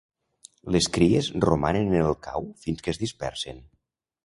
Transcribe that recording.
Les cries romanen en el cau fins que es dispersen.